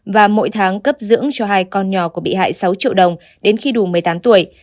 và mỗi tháng cấp dưỡng cho hai con nhỏ của bị hại sáu triệu đồng đến khi đủ một mươi tám tuổi